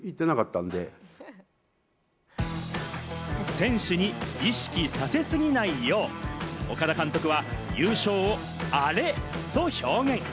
選手に意識させすぎないよう、岡田監督は優勝を、アレと表現。